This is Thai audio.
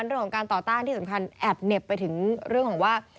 เรื่องของการต่อต้านที่สำคัญแอบเหน็บไปถึงเรื่องของว่า